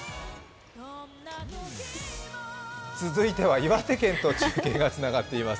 続いては岩手県と中継がつながっています。